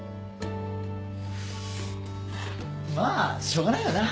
まあしょうがないよな。